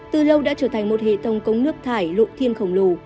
từ lâu đã trở thành một hệ tông cống nước thải lộ thiên khổng lồ